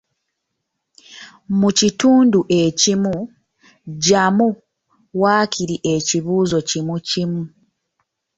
Mu kitundu ekimu ggyamu waakiri ekibuuzo kimu kimu.